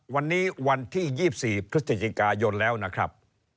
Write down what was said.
วันนี้วันที่๒๔พฤศจิกายนแล้วนะครับ